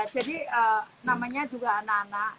jadi namanya juga anak anak